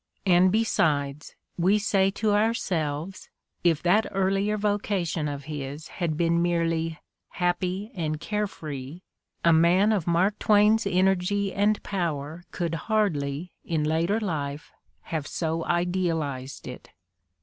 And besides, we say to ourselves, if that earlier vocation of his had been merely "happy and care free" a man of Mark Twain's energy and power could hardly, in later life, have so idealized it.